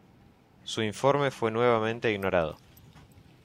Su informe fue nuevamente ignorado.